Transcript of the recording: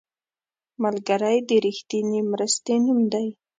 ملګری د رښتینې مرستې نوم دی